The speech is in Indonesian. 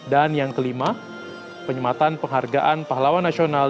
dan yang kelima penyematan penghargaan pahlawan nasional